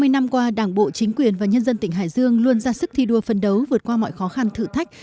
hai mươi năm qua đảng bộ chính quyền và nhân dân tỉnh hải dương luôn ra sức thi đua phân đấu vượt qua mọi khó khăn thử thách